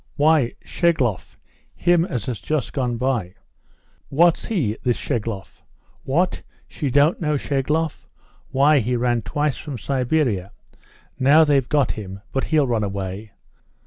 "Why, Schegloff; him as has just gone by." "What's he, this Schegloff?" "What, she don't know Schegloff? Why, he ran twice from Siberia. Now they've got him, but he'll run away.